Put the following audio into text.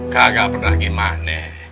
kagak pernah gimana